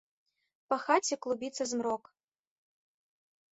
Па хаце клубіцца змрок.